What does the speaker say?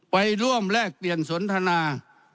ไปร่วมแลกเปลี่ยนสนทนา